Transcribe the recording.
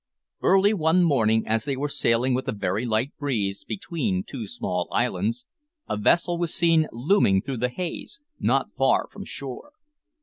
Early one morning as they were sailing with a very light breeze, between two small islands, a vessel was seen looming through the haze, not far from shore.